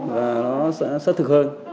và nó sẽ xuất thực hơn